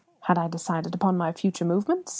had I decided upon my future movements?